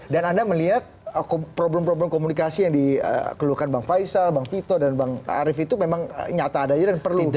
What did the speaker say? dan anda melihat problem problem komunikasi yang dikeluhkan bang faisal bang vito dan bang arief itu memang nyata ada aja dan perlu diperbaiki